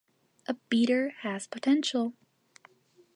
A beater has potential.